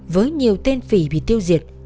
với nhiều tên phỉ bị tiêu diệt